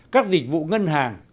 các dịch vụ ngân hàng